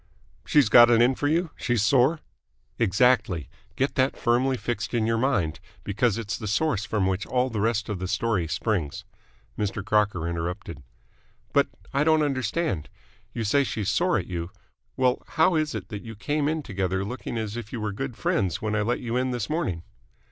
"She's got it in for you? She's sore?" "Exactly. Get that firmly fixed in your mind, because it's the source from which all the rest of the story springs." Mr. Crocker interrupted. "But I don't understand. You say she's sore at you. Well, how is it that you came in together looking as if you were good friends when I let you in this morning?"